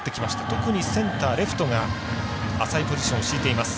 特にセンター、レフトが浅いポジションを敷いています。